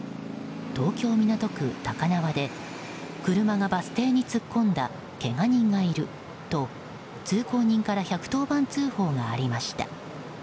東京・港区高輪で車がバス停に突っ込んだけが人がいると通行人から１１０番通報がありました。